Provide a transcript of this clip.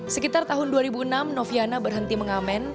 sekitar tahun dua ribu enam noviana berhenti mengamen